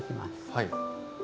はい。